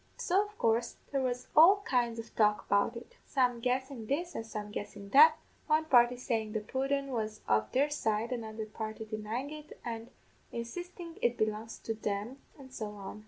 So, of coorse, there was all kinds of talk about it some guessin' this, and some guessin' that one party sayin' the pudden was of there side, another party denyin' it, an' insistin' it belonged to them, an' so on.